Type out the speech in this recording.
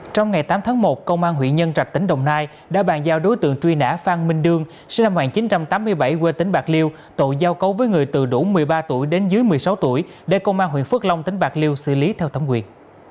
trong ngày tám tháng một công an huyện nhân trạch tỉnh đồng nai đã bàn giao đối tượng truy nã phan minh đương sinh năm một nghìn chín trăm tám mươi bảy quê tỉnh bạc liêu tội giao cấu với người từ đủ một mươi ba tuổi đến dưới một mươi sáu tuổi để công an huyện phước long tỉnh bạc liêu xử lý theo thẩm quyền